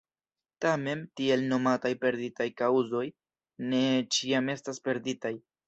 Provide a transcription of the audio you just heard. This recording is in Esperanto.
Tamen, tiel nomataj perditaj kaŭzoj ne ĉiam estas perditaj.